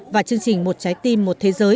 và chương trình một trái tim một thế giới